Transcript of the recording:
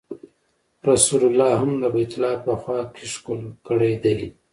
رسول الله هم د بیت الله په خوا کې ښکل کړی دی.